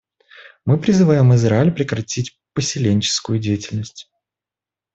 Мы призываем Израиль прекратить поселенческую деятельность.